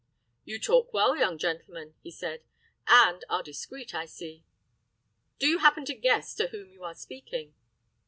"You talk well, young gentleman," he said, "and are discreet, I see. Do you happen to guess to whom you are speaking?"